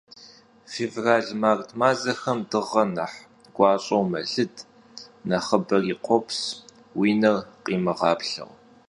Fêvral, mart mazexem dığer nexh guaş'eu melıd, nexhıberi khops, vui ner khimığaplheu.